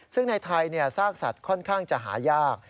ซึ่งในไทยซากสัตว์ค่อนข้างจะหายาก